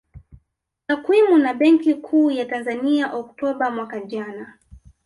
Takwimu na Benki Kuu ya Tanzania Oktoba mwaka jana